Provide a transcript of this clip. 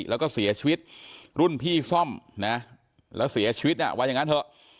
แล้วก็เสียชีวิตรุ่นพี่ซ่อมนะแล้วเสียชีวิตว่าอย่างนั้นเถอะ